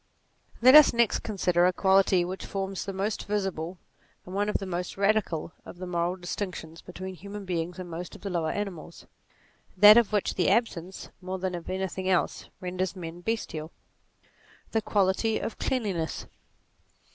Let us next consider a quality which forms the most visible, and one of the most radical of the moral dis tinctions between human beings and most of the lower animals ; that of which the absence, more than of anything else, renders men bestial; the quality of cleanliness.